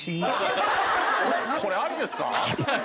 これありですか？